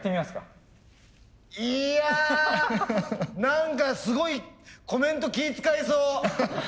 何かすごいコメント気遣いそう。